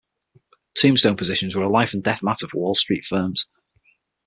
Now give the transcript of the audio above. Tombstone positions were a life-and-death matter for Wall Street firms.